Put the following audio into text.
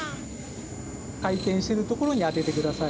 かいてんしてるところにあててください。